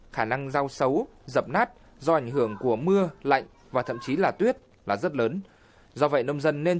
khả năng rau xấu dập nát do ảnh hưởng của mưa lạnh và thậm chí là tuyết là rất lớn